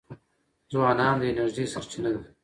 ځوانان د انرژۍ سرچینه دي.